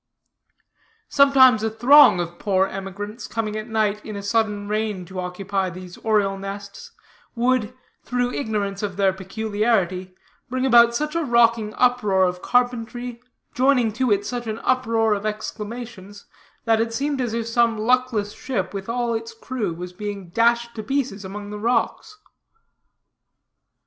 Sometimes a throng of poor emigrants, coming at night in a sudden rain to occupy these oriole nests, would through ignorance of their peculiarity bring about such a rocking uproar of carpentry, joining to it such an uproar of exclamations, that it seemed as if some luckless ship, with all its crew, was being dashed to pieces among the rocks.